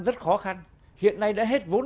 rất khó khăn hiện nay đã hết vốn